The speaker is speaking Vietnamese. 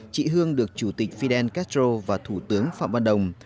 chị hương được chủ tịch fidel castro và thủ tướng phạm văn đồng